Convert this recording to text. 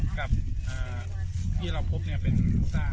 สวัสดีครับคุณผู้ชาย